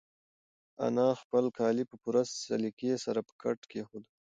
انا خپل کالي په پوره سلیقې سره په کټ کېښودل.